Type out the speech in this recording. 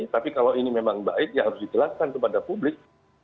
tapi kalau ini memang baik ya harus dijelaskan kepada publik